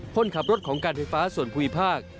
คนขับรถของการไฟฟ้าส่วนภูมิภาค